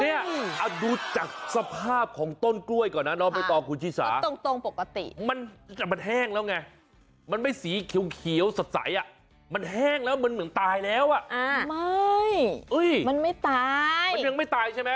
เนี่ยอาจดูจากสภาพของต้นกล้วยก่อนนะน้อไปต่อคุณชิสาตรงตรงปกติมันจะมันแห้งแล้วไงมันไม่สีเขียวเขียวสะใสอ่ะมันแห้งแล้วมันเหมือนตายแล้วอ่ะไม่มันไม่ตายไม่ตายใช่